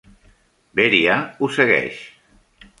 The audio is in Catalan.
Beri'ah ho segueix.